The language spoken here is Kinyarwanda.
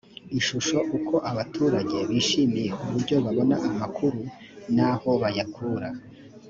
ishusho uko abaturage bishimiye uburyo babona amakuru n aho bayakura